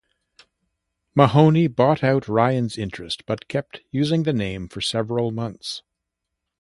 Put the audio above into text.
Mahoney bought out Ryan's interest but kept using the name for several months.